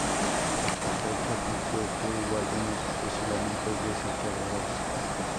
Tacho admitió que hubo algunos fusilamientos de saqueadores.